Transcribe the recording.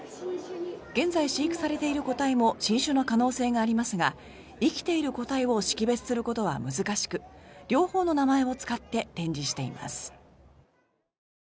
現在、飼育されている個体も新種の可能性がありますが生きている個体を識別することは難しく両方の名前を使って展示しています。